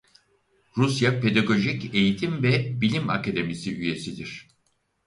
Rusya Pedagojik Eğitim ve Bilimakademisi üyesidir.